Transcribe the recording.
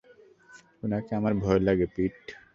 উনাকে আমার ভয় লাগে, পিট!